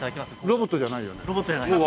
ロボットじゃないです。